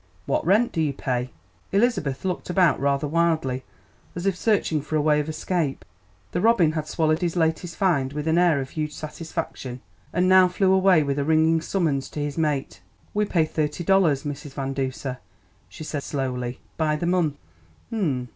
"What rent do you pay?" Elizabeth looked about rather wildly, as if searching for a way of escape. The robin had swallowed his latest find with an air of huge satisfaction, and now flew away with a ringing summons to his mate. "We pay thirty dollars, Mrs. Van Duser," she said slowly, "by the month." "Um!